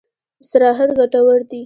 استراحت ګټور دی.